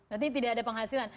berarti tidak ada penghasilan